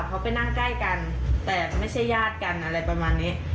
เขาไปนั่งใกล้กันแต่ไม่ใช่ญาติกันอะไรประมาณนี้